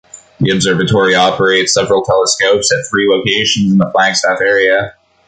The observatory operates several telescopes at three locations in the Flagstaff area.